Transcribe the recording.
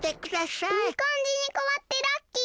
いいかんじにかわってラッキー！